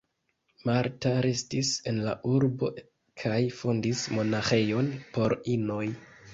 Marta restis en la urbo kaj fondis monaĥejon por inoj.